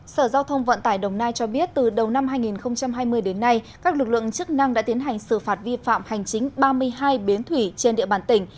sở giao thông vận tải đồng nai cho biết từ đầu năm hai nghìn hai mươi đến nay các lực lượng chức năng đã tiến hành xử phạt vi phạm hành chính ba mươi hai bến thủy trên địa bàn tỉnh